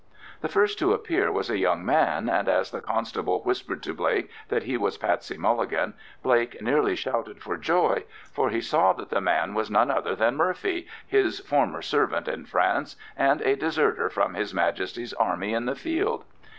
The first to appear was a young man, and as the constable whispered to Blake that he was Patsey Mulligan, Blake nearly shouted for joy, for he saw that the man was none other than "Murphy," his former servant in France, and a deserter from his Majesty's Army in the field!